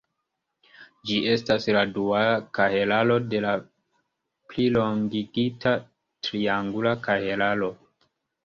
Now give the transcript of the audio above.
Ĝi estas la duala kahelaro de la plilongigita triangula kahelaro.